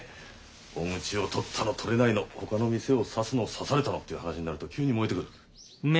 大口を取ったの取れないのほかの店を刺すの刺されたのっていう話になると急に燃えてくる。